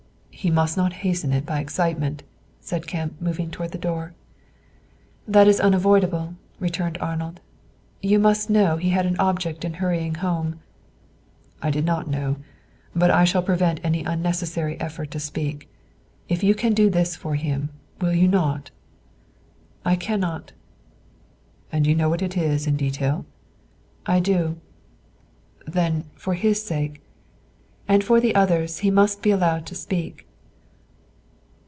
"He must not hasten it by excitement," said Kemp, moving toward the door. "That is unavoidable," returned Arnold. "You must know he had an object in hurrying home." "I did not know; but I shall prevent any unnecessary effort to speak. If you can do this for him, will you not?" "I cannot." "And you know what it is in detail?" "I do." "Then for his sake " "And for the others, he must be allowed to speak."